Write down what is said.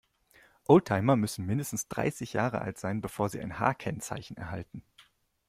Oldtimer müssen mindestens dreißig Jahre alt sein, bevor sie ein H-Kennzeichen erhalten.